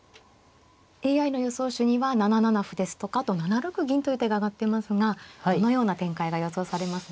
ＡＩの予想手には７七歩ですとかあと７六銀という手が挙がってますがどのような展開が予想されますでしょうか。